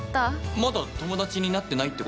まだ友達になってないってこと？